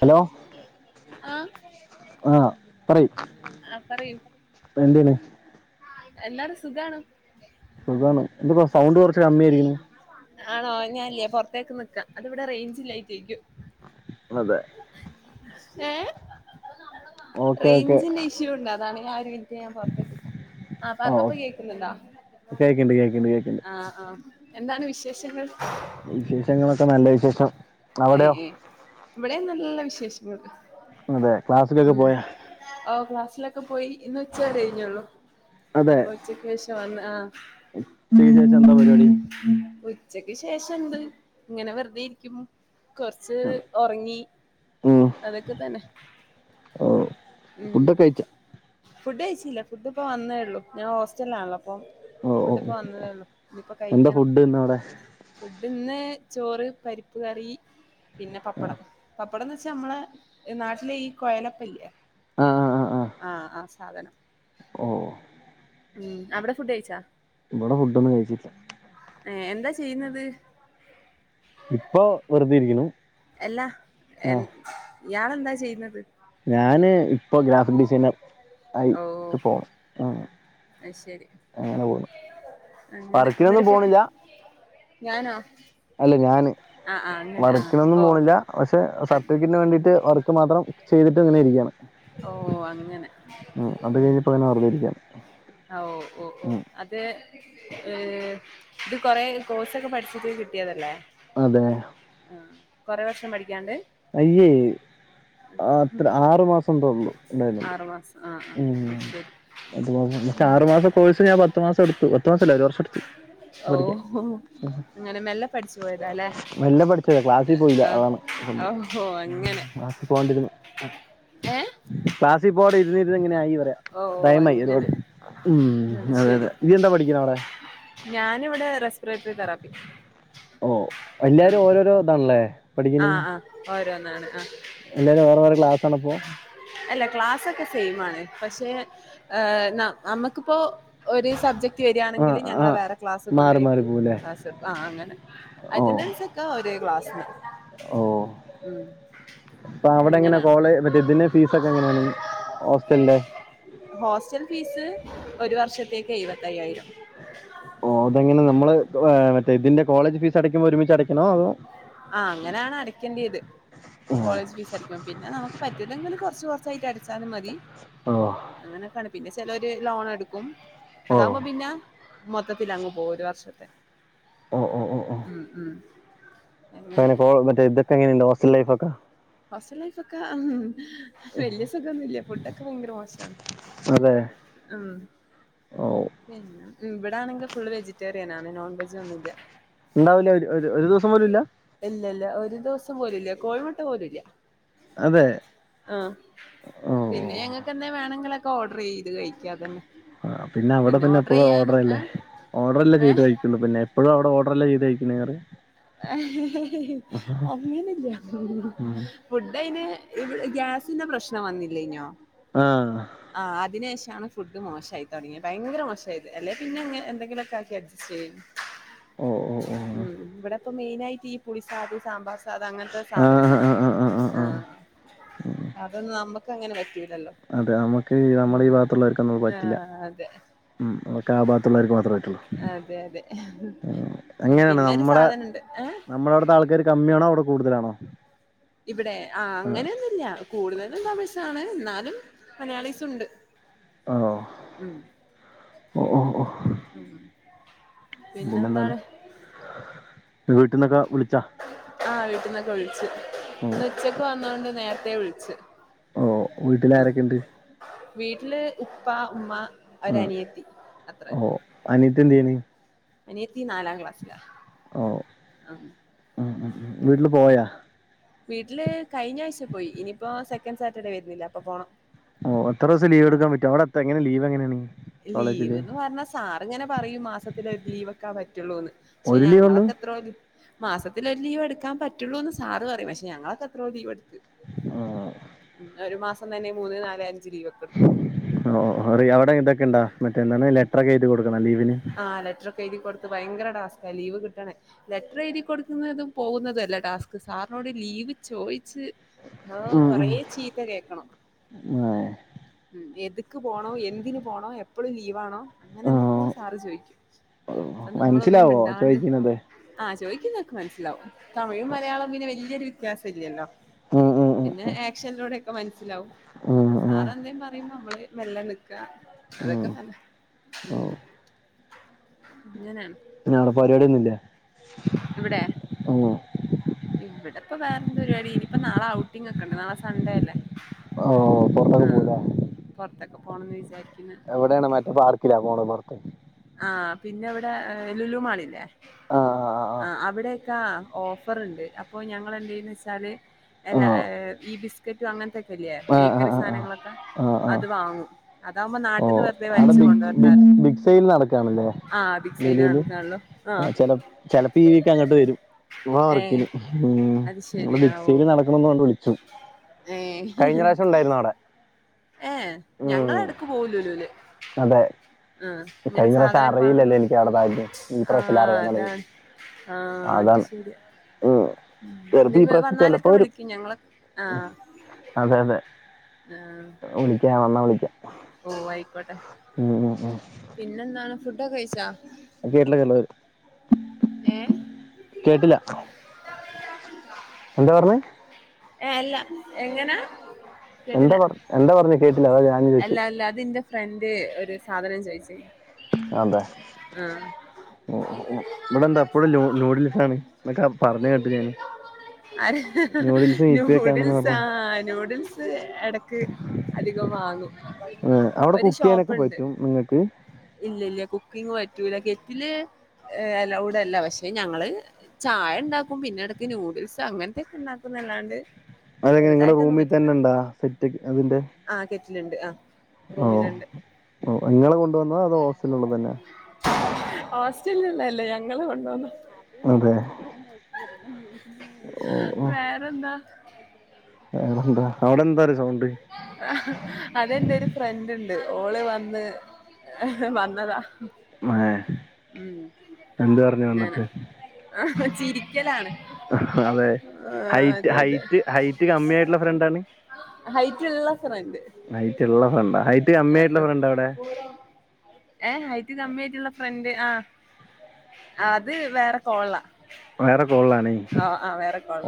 Hello ആഹ ആഹ് പറയു ആ പറയൂ ഫ്രണ്ടിനെ എല്ലാരും സുഖാണ്. സുഖാണ് എന്തപ്പ സൗണ്ട് കുറച്ച് കമ്മിയായിരിക്ക്ണ് ആണോ ഞാനില്ലേ പുറത്തേക്ക് നിക്കാം അത് ഇവിടെ റേഞ്ചില്ലായിട്ടേക്കും അതെ ഏ ഓക്കെ ഓക്കെ റേഞ്ചിന്റെ ഇഷ്യൂണ്ട് അതാണ് ഞാ ഒരു മി ഞാൻ പുറത്തേക്ക് ആഹ ആഹ് പറഞ്ഞപ്പോ കേക്കുന്നുണ്ട കേക്കണ്ട് കേക്കണ്ട് കേക്കണ്ട് ആഹ ആഹ എന്താണ് വിശേഷങ്ങൾ വിശേഷങ്ങളൊക്കെ നല്ല വിശേഷം ഏഹ് അവിടെയോ ഏഹ് ഇവിടേം നല്ല വിശേഷമുണ്ട്. അതെ ക്ലാസ്സിലൊക്കെ ഉം പോയാ ഓ ക്ലാസ്സിലൊക്കെ പോയി ഇന്ന്ച്ചു വരെ ഴിഞ്ഞുള്ളൂ. അപ്പൊ ഉച്ചക്ക് ശേഷം വന്ന്ആ ഉച്ച കയ്ഞ്ഞെന്താ പരിപാടി ഉച്ചക്ക് ശേഷം മുതൽ ഇങ്ങനെ വെറുതെ ഇരിക്കും കൊർച്ച് ഒറങ്ങി ഉം അതൊക്കെ തന്നെ. ഓ ഉം ഫുഡൊക്കെ കയ്ച്ച ഫുഡ് കഴിച്ചില്ല ഫുഡ് ഇപ്പം വന്നേ ഉള്ളൂ ഞാൻ ഹോസ്റ്റല്ലാണല്ലോ പ്പൊ. ഓ ഓ ഫുഡ് ഇപ്പം വന്നതേള്ളു ഇഞ്ഞിപ്പം എന്താ കഴിക്കണം. ഫുഡ് ഇന്ന് അവിടെ ഫുഡ് ന്ന് ചോറ്, പരിപ്പ് കറി പിന്നെ പപ്പടം. ഇവ്ടന്ന് വെച്ചാ നമ്മള നാട്ടിലെ ഈ കൊയലപ്പല്ലേ ആഹ് ആഹ് ആഹ് ആഹ് ആഹ ആ സാധനം ഓ ഉം അവിടെ ഫുഡ് കയ്ച്ചാ ഇവിടെ ഫുഡ് ഒന്നും കയ്ച്ചിറ്റ്ല്ല ഏ എന്താ ചെയ്യുന്നത് ഇപ്പൊ വെറുതെ ഇരിക്ക്ണു എല്ലാ എൻ ഞനെന്താ ചെയ്യുന്നത് ഞാന് ഇപ്പോഗ്രാഫിക് ഡിസൈനർ ആയിട്ട് പോ അത്ശരി പോണ് അങ്ങനെ ന്ന്ട്ട് വർക്കിനൊന്നും ഫുഡ് പോണില്ല ഞാനാ അല്ല ഞാന് ആഹ് ആഹ് വർക്കിനൊന്നും പോണില്ല പക്ഷെ സർട്ടിഫിക്കറ്റിന് വേണ്ടിട്ട് വർക്ക് മാത്രം ചെയ്തിട്ട് ഇങ്ങനെ ഇരിക്കയാണ് ഓ അങ്ങനെ ഉം അത് കഴിഞ്ഞപ്പ അങ്ങനെ വെറുതെരിക്കാം ആ ഓ ഓ ഓ അത് ഏ ഇത് കൊറെ കോഴ്സൊക്കെ പഠിച്ചിട്ട് കിട്ടിയതല്ലേ അതെ ആഹ് കൊറെ വർഷം പഠിക്കാണ്ട് അയ്യേ അത്ര ആറു മാസം തൊ ള്ളു ഇണ്ടായെ അ ബസ് ഉം ആറുമാസം കോഴ്സ് ഞാൻ പത്തു മാസം എടുത്തു പത്ത് മാസല്ല ഒരു വർഷം എടുത്തു. ഓ പഠിക്കാൻ ഹോ അങ്ങനെ മെല്ലെ പഠിച്ചു പോയതല്ലേ മെല്ലെ പഠിച്ചതാ ക്ലാസ്സിൽ പോയില്ല ആ അതാണ് ഓ ഹൊ അങ്ങനെ പോണ്ടേരും ഏ ക്ലാസിൽ പോകാടെ ഇരുന്ന് ഇരുന്ന് ഇങ്ങനെ ആയി ഓ ടൈം ആയി ഒരുപാട് അങ്ങനെ അത് അതെ ശരി അതെ ഇയ്യെന്താ പഠിക്കണ് അവിടെ ഞാനിവിടെ റെസ്പിറേറ്ററി തെറാപ്പി ഓ എല്ലാരും ഓരോരോ ഇതാണല്ലേ പഠിക്കണെ ആഹ് ആഹ് ഓരോന്നാണ് ആഹ് എല്ലാരും വേറെ വേറെ ക്ലാസ് ആണപ്പൊ അല്ല ക്ലാസൊക്കെ സെയിം ആണ് പക്ഷെ ഏഹ് നമ്മുക്കിപ്പോ ഒരു സബ്ജക്ട് വരിയാണെങ്കിൽ ആഹ് ഞങ്ങളെ ആഹ് വേറെ ക്ലാസ് കൊണ്ട് മാറി മാറി പോയിട്ട് പോവുല്ലേ ആഹ് അങ്ങനെ ഓഹ് അറ്റൻഡൻസ് ഒക്കെ ഒരേ ക്ലാസ്സിന് ഓഹ് മ്മ് അപ്പൊ അവിടെ എങ്ങനാ കോളേജ് മറ്റേ ഇതിന് ഫീസ് ഒക്കെ എങ്ങനെയാണ് ഹോസ്റ്റലിന്റെ ഹോസ്റ്റൽ ഫീസ് ഒരു വർഷത്തേക്ക് എഴുപത്തയ്യായിരം ഓ അതെങ്ങനെ നമ്മള് മറ്റേ ഇതിന്റെ കോളേജ് ഫീസ് അടയ്ക്കുമ്പോൾ ഒരുമിച്ച് അടയ്ക്കണൊ അതൊ ആഹ് അങ്ങനെയാണ് അടക്കേണ്ടത് ഏഹ് കോളേജ് ഫീസ് അടക്കുമ്പോ പിന്നെ നമുക്ക് പറ്റൂലെ ങ്കിൽ കുറച്ചു കുറച്ചായിട്ട് അടച്ചാലും മതി ഓ അങ്ങനൊക്കാണ് പിന്നെ ചെലോര് ലോൺ എടുക്കും ഓഹ് അതാവുമ്പോ പിന്ന മൊത്തത്തിൽ അങ്ങ് പോകും ഒരു വർഷത്തെ ഓഹ് ഓഹ് മ്മ് മ്മ് അപ്പോ ഇതൊെക്കെങ്ങനെയുണ്ട് ഹോസ്റ്റൽ ലൈഫൊക്കെ ഹോസ്റ്റൽ ലൈഫ് ഒക്കെ മ്മ് വലിയ സുഖൊന്നുംല്ല ഫുഡൊക്കെ ഭയങ്കര മോശാണ്‌. അതെ ഓ പിന്നെ ഇവിടാണെങ്കിൽ ഫുൾ വെജിറ്റേറിയൻ ആണ് നോൺ വെജ് ഒന്നും ഇല്ല ഉണ്ടാവില്ല ഒരു ഒരു ദിവസം പോലും ഇല്ല ഇല്ല ഇല്ല ഒരു ദിവസം പോലുംല്ല കോഴിമുട്ട പോലുംല്ല അതെ ആ ഓഹ് പിന്നെ ഞങ്ങൾക്കെന്തേ വേണങ്കിലൊക്കെ ഓർഡർ ചെയ്ത് കഴിക്ക അതന്നെ ആ പിന്നെ അവിടെ പിന്നെ എപ്പോഴും ഓർഡർ അല്ലേ ഓർഡർ അല്ലേ ചെയ്ത് ഏഹ് കഴി ള്ളൂ പിന്നെ എപ്പൊ ഴും അവിടെ ഓർഡറല്ലെ ചെയ്ത് കഴിക്കുന്നെ പറയാ ഏഹ് അങ്ങനില്ല ഉം ഫുഡ് അയ്ന് ഇ ഗ്യാസിന്റെ പ്രശ്നം വന്നില്ലെന്യോ ആ ആഹ് ആഹ് അതിന് ശേഷമാണ് ഫുഡ് മോശായി തുടങ്ങിയത് ഭയങ്കര മോശായത് അല്ലെ പിന്നെ എന്തെങ്കിലുമൊക്കെ ആക്കി അഡ്ജസ്റ്റ് ചെയ്യും ഓ ഓ ഓ മ്മ് ഇവിടെപ്പം മെയിന് ആയിട്ട് ഈ പുളി സാധം സാമ്പാർ അത് അത്അങ്ങനത്തെ ആഹ് ആഹ് സാധനങ്ങളാ ആഹ് ആഹ് ആഹ് ആഹ് ആ അതൊന്നും നമുക്ക് അങ്ങനെ പറ്റൂ ല്ലല്ലോ അതെ നമുക്ക് നമ്മളെ ഈ ഭാഗത്തുള്ളവർക്കൊന്നും അത് പറ്റില്ല. ആഹ് അതെ മ്മ് അതൊക്കെ ആ ഭാഗത്തുള്ളവർക്കെ മാത്രേ പറ്റുള്ളൂ അതെ അതെ ഏഹ് പിന്നൊരു സാധനുണ്ട് ഏഹ് നമ്മള അവിടത്തെ ആൾക്കാര് കമ്മിയാണോ അവിടെ കൂടുതലാണൊ ഇവിടെ ആ അങ്ങനെയൊന്നുമില്ല കൂടുതലും തമിഴ് സാണ് എന്നാലും മലയാളീസ് ഉണ്ട് ആഹ് മ്മ് ഓ ഓ ഓഹ്. ഉം പിന്നെന്താണ്? വീട്ടീന്നൊക്കെ വിളിച്ചാ ആഹ് വീട്ടിൽന്നൊക്കെ വിളിച്ച് ഓ ഇന്ന് ഉച്ചക്ക് വന്നൊണ്ട് നേരത്തെേ വിളിച്ച് ഓ വീട്ടിൽ ഉം ആരൊക്കെ ഉണ്ട്? വീട്ടില് ഉപ്പ ഉമ്മ ഒര് ആഹ് അനിയത്തി അത്രന്നെ ഓ അനിയത്തി എന്ത് ചെയ്യണ് അനിയത്തി നാലാം ക്ലാസ്സിലാ ഓ മ്മ് ഉം ഉം ഉം വീട്ട്ൽ പോയാ? വീട്ട്ല് കഴിഞ്ഞാഴ്ച പോയി ഇനിയിപ്പോ സെക്കൻ സാറ്റർഡേ വരുന്നില്ലേ അപ്പൊ പോണം. ഓഹ് എത്രൂസം ലീവ്ട്ക്കാൻ പറ്റും ഔടെ എത് എങ്ങനെ ലീവെങ്ങനേണ്? ലീവ്ന്ന് പറഞ്ഞാ സാർ ഇങ്ങനെ പറയും മാസത്തിലൊര് ലീവൊക്കെ പറ്റുള്ളൂന്ന്. പഷേ ഒരു ലീവേ ഉള്ളൂ ഞങ്ങളൊക്കെത്രോ ലീ മാസത്തിലൊര് ലീവ് എടുക്കാൻ പറ്റുള്ളൂന്ന് സാർ പറയും, പഷേ ഞങ്ങളൊക്കെത്രോ ലീവെട്ത്ത്. ആഹ്. ഒരു മാസം തന്നെ മൂന്ന് നാല് അഞ്ച് ലീവൊക്കെ എടുക്കും. അ ഓഓറി അവിടെ ഇതൊക്കെണ്ടാ മറ്റേ എന്താണ് ലെറ്ററൊക്കെ എഴുതി കൊടുക്കണോ ലീവിന്. ആ ലെറ്ററൊക്കെ എഴുതി കൊടുത്ത് ബൈങ്കര ടാസ്കാ ലീവ് കിട്ടണേ. ലെറ്ററെഴുതി കൊടുക്കുന്നതും പോവുന്നതും അല്ല ടാസ്ക് സാറിനോട് ലീവ് ചോയ്ച്ച്. ആഹ് ഉം കൊറേ ഉം ചീത്ത കേക്കണം ആഹ് ഉം എത്ക്ക് പോണോ എന്തിന് പോണോ എപ്പളും ലീവാണോ? അങ്ങനെ എന്തൊക്കോ ആഹ് സാറ് ചോയ്ക്കും അപ്പൊ നമ്മളൊന്നും മനസ്സിലാവോ മിണ്ടാണ്ട് ചോദിക്കണത് ആഹ് ചോയ്ക്കുന്നൊക്കെ മനസ്സിലാവും തമിഴും മലയാളും പിന്നെ വല്ല്യൊരു വ്ത്യാസല്ലല്ലോ. ഉം ഉം ഉം പിന്നെ ആക്ഷനിലൂടൊക്കെ മനസ്സിലാവും ഉം ആഹ് സാറ ആഹ് എന്തേലും പറയുമ്പോൾ നമ്മള് മെല്ലെ നിക്കാ ഉം അതൊക്കെ തന്നെ. [unintelligible] ഉം ഓഹ് അങ്ങനേണ്. ഞ്ഞഅവ്ടെ പരിവാടിയൊന്നുല്ലേ? ഇവ്ടെ ഉം.. ഇവ്ടെപ്പോ വേറെന്ത്‌ പരിപാടി, ഇനിയിപ്പൊ നാളെ ഔട്ടിങ്ങൊക്കെണ്ട് നാളെ സൺ‌ഡേല്ലേ. ഓഹ് പൊറത്തൊക്കെ പോവുലെ. പുറത്തൊക്കെ പോകണം എന്ന് വിചാരിക്കുന്നു. എവിടേണ് മറ്റേ പാർക്കിലാ പോണെ പൊറ്ത്ത്? ആഹ് പിന്നെ ഇവ്ടെ എഹ് ലുലു മാളില്ലേ ആഹ് ആ ആഹ് അവിടൊക്കെ ആ ഓഫർണ്ട് അപ്പോ ഞങ്ങളെന്തെയ്ന്ന് വെച്ചാല് എല്ലാ ആഹ് ഹ് ഈ ബിസ് കറ്റും അങ്ങൻത്തൊക്കെല്ല്യേ ആഹ് ബേക്കറി ആഹ് ആഹ് ആഹ് സാനങ്ങളൊക്കെ ആഹ് അത് വാങ്ങും അതാവുമ്പോ നാ അവ്ടെ ബിഗ് ബിഗ് ബിഗ്സൈൽ നടക്കാണ്ല്ലേ. ആബിഗ്സൈൽ നടക്കാൻള്ളോ. ആ ചെല ചെലപ്പൊ ഈ വീക്കങ്ങട്ട് വരും. മ്മ ഏ വർക്കിന് ഹ്മ് അത് ങ്ങടെ ശരി ആ ഓ ബിക്സൈൽ നടക്ണന്നാണ്ട് വിളി ചു ഏ കയിഞ്ഞ പ്രാശ്യം ഇണ്ടായിരുന്നു ഔടെ. ഏഹ് ഞങ്ങളെടക്ക് പോവും ലുലുൽ. അതെ. ആ ഇങ്ങനെ കഴിഞ്ഞ പ്രാവശ്യം സാധനൊക്കെ, അറിയില്ലല്ലോ എനിക്ക് അവിടെ താല്പര്യം ഈ പ്രാവശ്യം ആഹ് അറിയാൻ തുടങ്ങി അതാണ്. ആഹ് അത് അതാണ് ശെരിയാ. ഉം.. ഹ്മ് ചെലപ്പോ ന്തെ ഈ വ പ്രാവശ്യം ചെലപ്പോ വന്നാലൊക്കെ വരും വിളിക്കും ഞങ്ങളെ ആഹ്. ആഹ്. വിളിക്കാ ന്നാ വിളിക്കാ. ഓ ആയിക്കോട്ടെ. ഉം ഉം ഉം പിന്നെന്താണ് ഫുഡൊക്കെ കൈച്ചോ? [unintelligible] ഏഹ്. കേട്ടില്ല എന്താ പറഞ്ഞെ. ഏഹ് അല്ല എങ്ങനാ? എന്താ കേട്ടില്ല പറ എന്താ പറഞ്ഞേ കേട്ടില്ല അതാ ഞാൻ ചോദിച്ചു അല്ല അല്ല അതിന്റെ ഫ് ഫ്രന്റ് ഒര് സാധനം ചോയ്ചേ അതെ, ഓ ഓ ഇവിടെ എന്താ അപ്പോഴും നൂഡിൽസ് ആണ് എന്നക്കെ പറഞ്ഞു കേട്ടു ഞാന്. ആര് നൂഡിൽസും യിപ്പി ഒക്കെ ആണെന്ന് പറഞ്ഞോ ആഹ് ന്യൂഡിൽസ് ത് എടക്ക് അധികം വാങ്ങും. അവിടെ കുക്ക് ചെയ്യാനൊക്കെ പറ്റും നിങ്ങൾക്ക് ഇല്ലല്ല കുക്കിങ് പറ്റൂല കെറ്റില് അലൗഡ് അല്ല പക്ഷെ ഞങ്ങള് ചായ ണ്ടാക്കും പിന്നെ ഇടക്ക് ന്യൂഡിൽസ് അങ്ങനത്തെക്കെ ഉണ്ടാക്കും ന്നല്ലാണ്ട് അത് എങ്ങനെ നിങ്ങളെ റൂമിൽ തന്നെണ്ടാ സെറ്റ് അതിന്റെ ആ കെറ്റിലുണ്ട് ആ ഓഹ് റൂമിലുണ്ട് ഓഹ് ഇങ്ങള് കൊണ്ടുവന്നോ അതോ ഹോസ്റ്റലിലുള്ളത് തന്നെ ഹോസ്റ്റല്ല് ള്ളല്ല ഞങ്ങൾ കൊണ്ടുവന്ന അതെ ഓഹ് ഓഹ് വേറെന്താ? വേറെന്താ അവിടെ എന്താ ഒരു സൗണ്ട് അതെന്റെ ഒരു ഫ്രണ്ട് ഉണ്ട് ഓള് വന്ന് ഏ ഹ് വന്നതാ. [unintelligible] ഉം എന്ത് പറഞ്ഞു ങ്ങനെ വന്നിട്ട് ആഹ ചിരിക്കലാണ്. അതെ ആ ഹൈറ്റ് അതെ അതെ ഹൈറ്റ് ഹൈറ്റ് കമ്മിആയിട്ടുള്ള ഫ്രണ്ടാണ്. ഹൈറ്റ് ഉള്ള ഫ്രണ്ട് ഹൈറ്റ്ള്ള ഫ്രണ്ട ഹൈറ്റ് ആ കമ്മിആയിട്ടുള്ള ആ ഫ്രണ്ട് എവിടെ? ഏ ഐറ്റ കമ്മിയായിട്ടുള്ള ഫ്രണ്ട് ആ അത് വേറെ കോളില. വേറെ കോൾളാണ്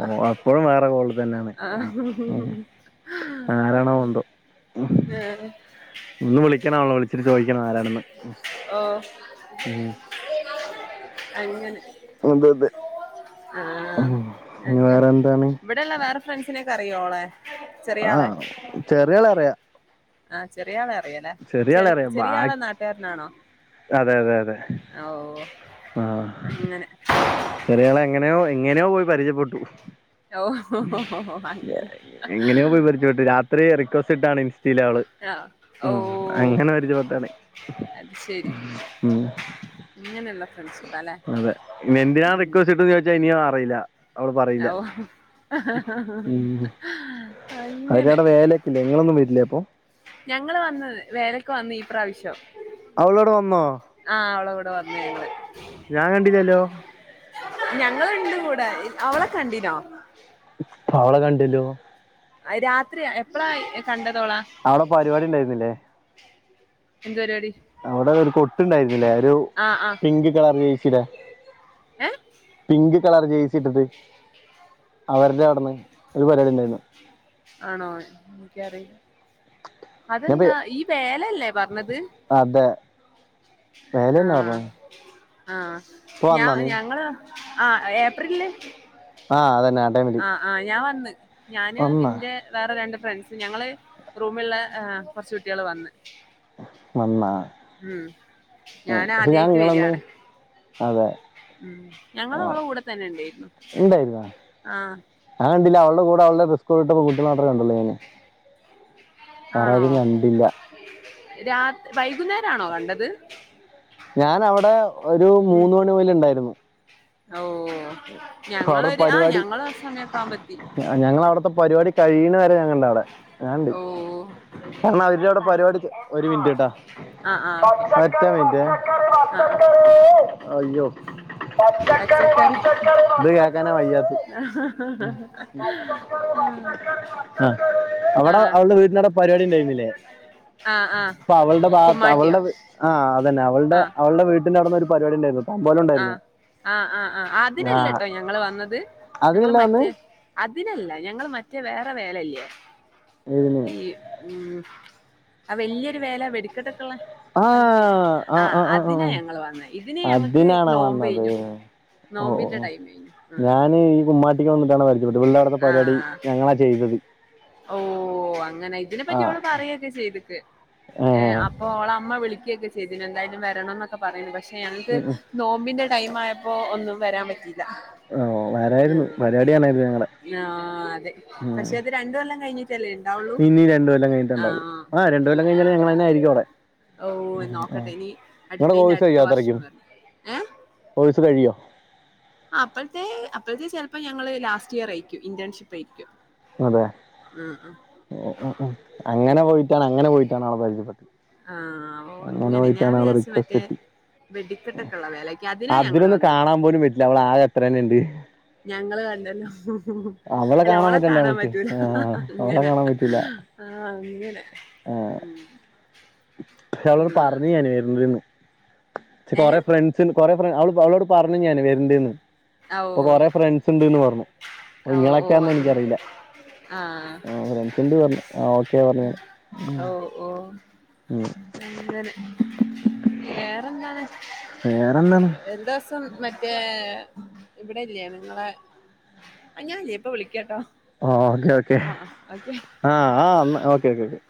ഓ അപ്പോഴും വേറെ കോള് തന്നെയാണ്. ആ ആരാണോ വെന്തോ? ഞാന്. ഒന്ന് വിളിക്കണളോ വിളിച്ചിട്ട് ചോദിക്കണം ആരാണെന്ന് ഓ ഉം. അങ്ങനെ അതെ അതെ ആഹ് ഉം ഇനി അങ്ങനെ വേറെ എന്താണ് ഇവിടെള്ള വേറെ ഫ്രണ്ട്സിനേക്കെ അറിയോളെ ചെറിയാളെ. ആഹ് ചെറിയാളെ അറിയാം ആഹ് ചെറിയാളെ അറിയല്ലെ ചെറിയാളെ അറിയാം ബാ ചെറിയ ആളാ നാട്ടുകാരനാണോ അതെ അതെ അതെ ഓ ഓ അങ്ങനെ ചെറിയളെ എങ്ങനെയോ എങ്ങനെയോ പോയി പരിചയപ്പെട്ടു. ഓഹ് അങ്ങനെ എങ്ങനെയൊപോയി പരിജപ്പെട്ടു രാത്രി റിക്വസ്റ്റ് ഇട്ടാണ് ഇൻസ്റ്റൽ അവള് ആഹ് ഉം ഓഹ് അങ്ങനെ പരിചപ്പെട്ടണെ ഉം. ഇങ്ങനെള്ള ഫ്രെണ്ട്സ്. അതെ ഇ എന്തിനാണ് റിക്വസ്റ്റ്ട്ടന്ന് ചോദിച്ചാ ഇനിയും അറിയില്ല അവള് പറയില്ല ഓഹ് ഉം. അങ്ങനെ അവരടെ വേലൊക്കെല്ലേ ങ്ങങ്ങളൊന്നും വരില്ലേ അപ്പൊ ഞങ്ങള് വന്ന് വേലക്ക്‌ വന്ന് ഈ പ്രാവശ്യം. അവൾ അവിടെ വന്നോ ആഹ് അവള കൂടെ വന്ന് ഞങ്ങൾ ഞാൻ കണ്ടില്ലലാേ ഞങ്ങളുണ്ട് കൂടെ ഹ് അവളെ കണ്ടിനോ അവളെ കണ്ടില്ലോ രാത്രി എപ്പളാ കണ്ടതോളാ അവിടെ പരിപാടി ഉണ്ടായിരുന്നില്ലേ എന്താ പരിപാടി? അവിടെ ഒരു കൊട്ട്ണ്ടായിരുന്നില്ലേ ഒരു ആ ആ പിങ്ക് കളർ ജയ്സിടെ ഏ പിങ്ക് കളർ ജേസി ഇട്ടിട്ട് അവരുടെ അവിടെന്ന് ഒരു പരിപാടി ഉണ്ടായിരുന്നു. ആണോ എനിക്കറിയില്ല ഞാൻ പോയി അതെന്താ ഈ വേലയല്ലേ പറഞ്ഞത്. അതെ വേല തന്നെ ആഹ് പറഞ്ഞു ആഹ് ഇപ്പൊ ഞാ വന്നാ നീ ഞങ്ങള് ആഹ് ഏപ്രിൽല് ആഹ് അതന്നെ ആ ടൈമില് ആഹ് ഞാൻ വന്ന് ഞാന് വന്നാ ഇന്റെ വേറെ രണ്ട് ഫ്രണ്ട്സ് ഞങ്ങള് റൂമിൽള്ളെ ഏഹ് കൊർച്ച് കുട്ട്യാള് വന്ന് വന്നോ ഉം ഞാൻ ആദ്യായിട്ട് നിങ്ങളന്ന് വരാണ് അതെ ഉം ഞങ്ങള് ആ, ഓളെ കൂടെ തന്നെ ഉണ്ടായിരുന്നു ഉണ്ടായിരുന്നാ ആഹ് ഞാൻ കണ്ടില്ല അവളുടെ കൂടെ അവളുടെ സ്കൂൾ വിട്ടപെൺകുട്ടികളെ മാത്രം കണ്ട്ള്ളൂ ഞാന് ആണോ കണ്ടില്ല രാത്രി വൈകുന്നേരം ആണോ കണ്ടത് ഞാനവ്ടെ ഒരു മൂന്ന് മണി മുതല്ണ്ടായ്ര്ന്നു ഓഹ് അപ്പൊ ഞങ്ങളൊര് ആഹ് ഞങ്ങളും ആ സമയൊക്കെ ആവുമ്പോ എത്തി അ ഞങ്ങൾ അവിടുത്തെ പരിപാടി കഴിയ്യണ വരെ ഞാൻ കണ്ട് അവിടെ ഞാന്ണ്ട് ഓ കാരണം അവര്ടെ അവിടെ പരിപാട്യൊ ഒര് മിൻറ്റ് ട്ടാ ആ ആ ഓക്കെ ഒറ്റ മിനിറ്റേ ആ ആ അയ്യോ പച്ചക്കറി ഇത് കേൾക്കാന വയ്യാ [inaudible] ആ അ ആ അവിടെ അവളുടെ വീട്ടിണ്ടവിടെ പരിപാടി ഇണ്ടായിരുന്നില്ലേ ആ ആഹ. ഇപ്പൊ അവളുടെ ഭാഗ അവളുടെ ആഹ് അതന്നെ അവളുടെ ആ അവളുടെ വീട്ടിന്റെ അവിടുന്ന് ഒരു പരിപാടി ഉണ്ടായിരുന്നു തമ്പോലം ഉണ്ടായിരുന്നു ആഹ് ആഹ് ആഹ് ആ അതിനല്ലട്ടോ ഞങ്ങള് വന്നത് ഞങ്ങള് അതിനല്ല വന്ന് മറ്റേ അതിനല്ല ഞങ്ങൾ മറ്റേ വേറെ വേലല്ലേ ഇതിന് ഈ ഉം ആ വലിയൊരു വേല വെടിക്കെട്ടൊക്കുള്ള ആഹ് ആഹ് ആഹ് ആഹ് ഞങ്ങൾ വന്നത് ഇതിന് ഞങ്ങൾക്ക് അതിനാണോ നോമ്പ് വന്നത് കഴിഞ്ഞു ഓ നോമ്പിന്റെ ഓഓ ടൈം കഴിഞ്ഞു ഞാന് ഈ കുമ്മാട്ടിക്ക് വന്നിട്ടാണ് പരിചയപ്പെട്ടത് ഇവളുടെ അവിടെ ആ പരിപാടി ആ ഞങ്ങളാ ചെയ്തത് ഓ അങ്ങനെ ഇതിനെ ആ പറ്റി ഓള് പറയ ക്കെ ചെയ്തിട്ട് ഏ ഏഹ് അപ്പൊ ഓളെ അമ്മ വിളികൊക്കെ ചെയ്തിരുന്നു എന്തായാലും വരണം ക്കെ പറയുന്നു പക്ഷെ ഞങ്ങക്ക് ഉം, ഉം. നോമ്പിന്റെ ടൈം ആയപ്പോ ഒന്നും വരാൻ പറ്റിയില്ല ഓ വരായിരുന്നു ഉം. പരിപാടി കാണായിരുന്നു ഞങ്ങളെ ആ അതെ ഉം. പക്ഷെ അത് രണ്ടുകൊല്ലം കഴിഞ്ഞി ട്ടില്ലേ ഉണ്ടാവുള്ളൂ ഇനി രണ്ടു കൊല്ലം കഴിഞ്ഞിട്ടുണ്ടാവും ആഹ് ആ രണ്ടു കൊല്ലം കഴിഞ്ഞാൽ ഞങ്ങൾ തന്നെ ആയിരിക്കും അവിടെ ഓ ആ നോക്കട്ടെ ഇനി നിങ്ങളടെ അടുത്തതിന്റെ കോഴ്സ് അടുത്ത കഴിയോ വർഷം അത്രയ്ക്കും വരാ കോഴ്സ് കഴിയോ അപ്പോഴത്തെ അപ്പോഴത്തെ ചെലപ്പോ ഞങ്ങള് ലാസ്റ്റ് ഇയർ ആയിരിക്കും ഇന്റേൺഷിപ്പ് ആയിരിക്കും അതെ [unintelligible] ഉം ഉം അങ്ങനെ പോയിട്ടാണ് അങ്ങനെ പോയിട്ടാണ് അവളെ പരിചയപ്പെട്ടത് ആഹ് ഓ അങ്ങനെ ഞാൻ പോയിട്ടാണ് അവളെ വിചാരിച്ചു റിക്വസ്റ്റ് മറ്റേ എത്തി വെടിക്കെട്ടൊക്കെയുള്ള വേലക്ക് അതിനാ ഞങ്ങള് വന്നത് ഇല്ല അവള് ആകെ എത്ര തന്നെയ ഇണ്ട് ഞങ്ങള് കണ്ടല്ലോ ഉം അവളെ അല്ല ഓളെ പറ്റണ്ടേ കാണാൻ നമുക്ക് പറ്റൂല ആ ഹ ഹ ഹ ഉം അവളെ അങ്ങനെ കാണാൻ പറ്റില്ല ആഹ് അങ്ങനെ ഉം പക്ഷ അവളോട് പറഞ്ഞു ഞാന് വരേണ്ടന്ന് ഇച്ച് ഏ കൊറേ ഫ്രണ്ട്സ് ണ്ട് കൊറേ [unintelligible] അവ അവളോട് പറഞ്ഞു ഞാൻ വര്ണ്ട്ന്ന്. ആ, ഓ ഇപ്പൊ കൊറെ ഫ്രണ്ട്സ് ഉണ്ട്ന്ന് പറഞ്ഞു അപ്പൊ ആ, ഓ ഓ നിങ്ങളൊക്കെയാന്ന് അങ്ങനെ എനിക്കറിയില്ല ആ ആ ഫ്രണ്ട്സിണ്ട് പറഞ്ഞു ആ ഓക്കെ പറഞ്ഞു ആ. ഉം ഓ ഓ ഉം അങ്ങനെ വേറെന്താണ് വേറെന്താണ് ന്തോദിവസം മറ്റേ ഇവിടെല്ലേ നിങ്ങളെ ഞാനല്ല ഇപ്പ വിളിക്ക കേട്ടോ ആ ഓക്കേ ഓക്കേ ആഹ് ആ അന്ന് ഓക്കെ ഓക്കെ ഓക്കെ